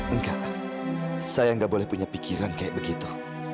enggak saya tidak boleh punya pikiran seperti itu